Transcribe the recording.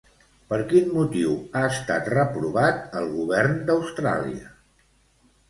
Per quin motiu ha estat reprovat el Govern d'Austràlia?